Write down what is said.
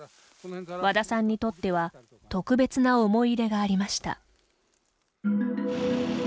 和田さんにとっては特別な思い入れがありました。